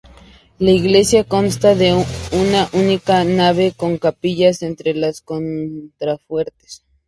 La iglesia consta de una única nave, con capillas entre los contrafuertes.